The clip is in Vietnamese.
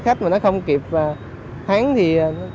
khách mà nó không kịp thắng thì